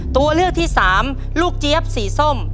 ตัวเลือกที่สามลูกเจี๊ยบสีส้ม